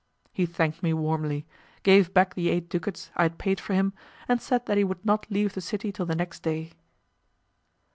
He thanked me warmly, gave back the eight ducats I had paid for him, and said that he would not leave the city till the next day.